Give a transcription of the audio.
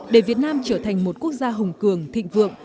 để việt nam trở thành một quốc gia hồng cường thịnh vượng